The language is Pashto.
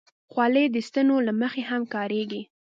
خولۍ د سنتو له مخې هم کارېږي.